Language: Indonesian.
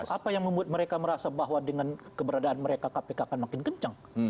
apa yang membuat mereka merasa bahwa dengan keberadaan mereka kpk akan makin kencang